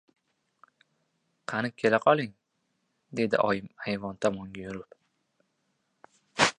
— Qani, kela qoling, — dedi oyim ayvon tomonga yurib.